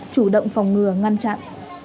chủ động phòng ngừa ngăn chặn